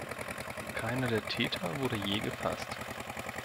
Keiner der Täter wurde je gefasst.